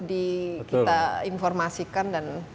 dikita informasikan dan